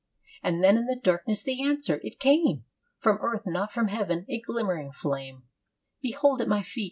And then in the darkness the answer! It came From Earth, not from Heaven a glimmering flame, Behold; at my feet!